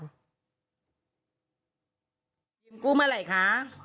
ยืมกูเมื่อไหร่คะ